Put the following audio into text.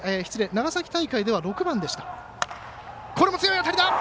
長崎大会では６番でした。